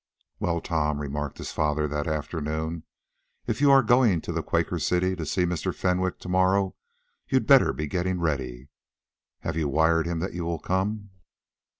"Well, Tom," remarked his father that afternoon, "if you are going to the Quaker City, to see Mr. Fenwick to morrow, you'd better be getting ready. Have you wired him that you will come?"